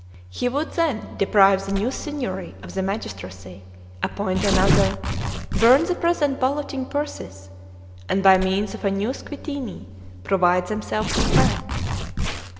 He would then deprive the new Signory of the magistracy, appoint another, burn the present balloting purses, and by means of a new Squittini, provide themselves with friends.